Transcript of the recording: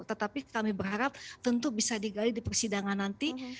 tetapi kami berharap tentu bisa digali di persidangan nanti